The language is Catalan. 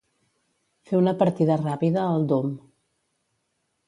Fer una partida ràpida al "Doom".